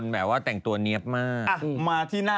แบบว่าแต่งตัวเนียบมาก